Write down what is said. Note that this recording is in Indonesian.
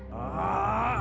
bapak jahat bapak jahat